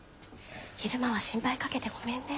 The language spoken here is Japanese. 昼間は心配かけてごめんね。